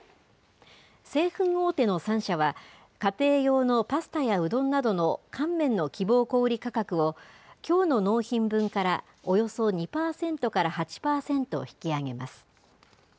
製粉大手の３社は、家庭用のパスタやうどんなどの乾麺の希望小売り価格を、きょうの納品分からおよそ２％から８％引き上げます。